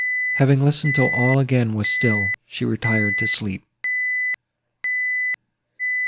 Having listened till all was again still, she retired to sleep.